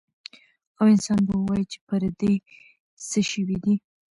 او انسان به ووايي چې پر دې څه شوي دي؟